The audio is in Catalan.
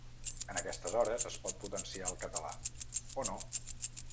En aquestes hores es pot potenciar el català, o no.